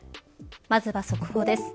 まずは速報です。